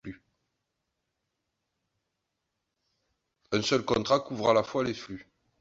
Un seul contrat couvre à la fois les flux.